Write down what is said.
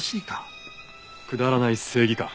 くだらない正義感？